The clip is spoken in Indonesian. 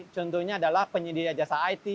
contohnya adalah penyedia jasa it